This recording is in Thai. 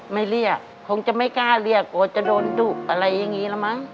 ไม่เรียกคงจะไม่กล้าเรียกกลัวจะโดนดุอะไรอย่างนี้แล้วมั้ง